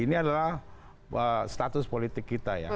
ini adalah status politik kita ya